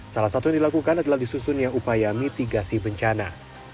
salah satu yang dilakukan adalah disusunnya upaya mitigasi bencana